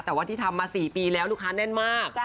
แต่ว่าที่ทำมา๔ปีแล้วลูกค้าแน่นมาก